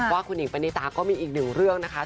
ว่าคุณหญิงปณิตาก็มีอีกหนึ่งเรื่องนะคะ